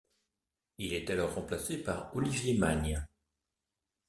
Il est alors remplacé par Olivier Magne.